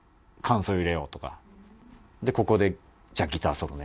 「ここでじゃあギターソロね」。